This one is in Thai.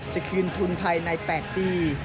จะคืนทุนภายใน๘ปี